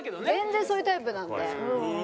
全然そういうタイプなんで。